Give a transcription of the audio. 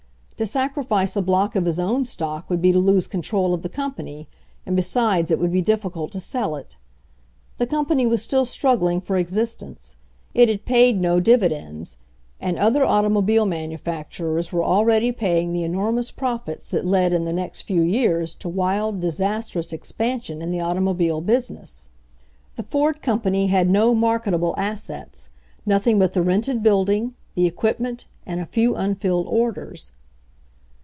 To sacrifice a block of his own stock would be to lose control of the company, and besides it would be difficult to sell it. The company was still struggling for exist ence ; it had paid no dividends, and other automo bile manufacturers were already paying the enor mous profits that led in the next few years to wild, disastrous expansion in the automobile busi ness. The Ford company had no marketable as EARLY MANUFACTURING TRIALS 127 sets — nothing but the rented building, the equip ment and a few unfilled orders.